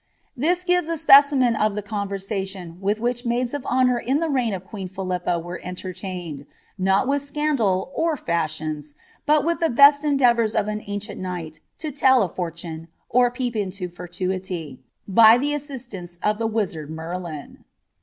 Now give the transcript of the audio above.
^ Tliis gives a specimen of the conversation with which maids of hon nr in the reign of queen Philippa were entertained, not with scandal or riiioiis, but with the best endeavours of an ancient knight to tell a for* De, or peep into futurity, by the assistance of the wizard Merlin.